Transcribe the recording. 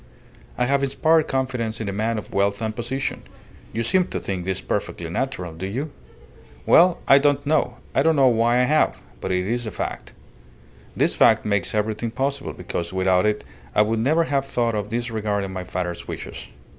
I have inspired confidence in a man of wealth and position. You seem to think this perfectly natural do you? Well, I don't know. I don't know why I have; but it is a fact. This fact makes everything possible, because without it I would never have thought of disregarding my father's wishes.